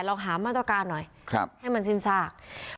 ลองหามาตรการหน่อยให้มันสิ้นซาก